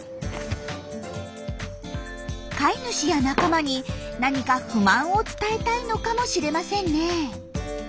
飼い主や仲間に何か不満を伝えたいのかもしれませんね。